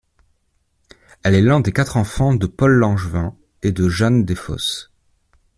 Elle est l'un des quatre enfants de Paul Langevin et de Jeanne Desfosses.